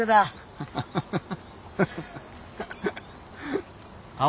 ハハハハハ。